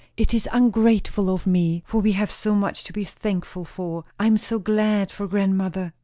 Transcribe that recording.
"It is ungrateful of me; for we have so much to be thankful for. I am so glad for grandmother!"